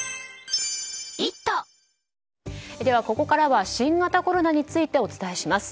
ここからは新型コロナについてお伝えします。